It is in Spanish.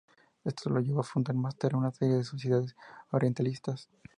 Esto lo llevó a fundar más tarde una serie de sociedades orientalistas.